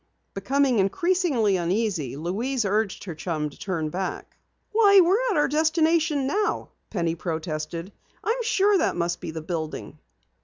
Becoming increasingly uneasy, Louise urged her chum to turn back. "Why, we're at our destination now," Penny protested. "I am sure that must be the building."